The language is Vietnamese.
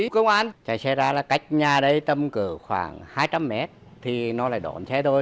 cách nhà đấy tâm cửa khoảng hai trăm linh mét thì nó lại đòn xe thôi